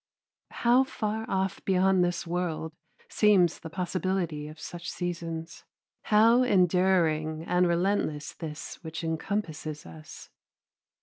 How far off beyond this world seems the possibility of such seasons, how enduring and relentless this which encompasses us.